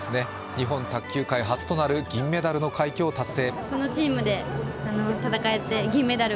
日本卓球界初となる銀メダルの快挙を達成。